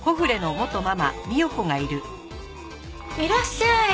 いらっしゃい。